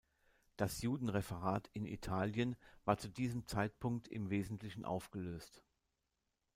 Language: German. Das „Judenreferat“ in Italien war zu diesem Zeitpunkt im Wesentlichen aufgelöst.